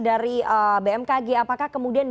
dari bmkg apakah kemudian